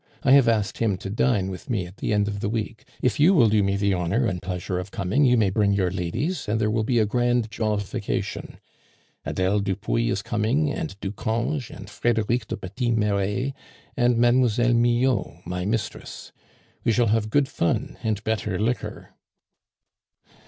I have asked him to dine with me at the end of the week; if you will do me the honor and pleasure of coming, you may bring your ladies, and there will be a grand jollification. Adele Dupuis is coming, and Ducange, and Frederic du Petit Mere, and Mlle. Millot, my mistress. We shall have good fun and better liquor."